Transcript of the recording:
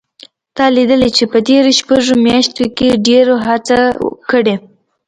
تا لیدلي چې په تېرو شپږو میاشتو کې ډېرو هڅه کړې